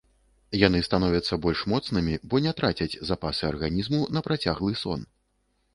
Яны становяцца больш моцнымі, бо не трацяць запасы арганізму на працяглы сон.